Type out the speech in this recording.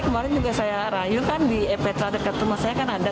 kemarin juga saya rayu kan di epetra dekat rumah saya kan ada